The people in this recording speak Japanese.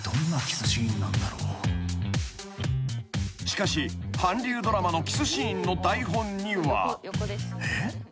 ［しかし韓流ドラマのキスシーンの台本には］